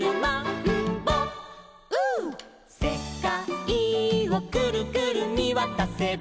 「せかいをくるくるみわたせば」